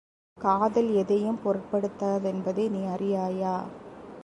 காதல் எதையும் பொருட்படுத்தா தென்பதை நீ யறியாயா?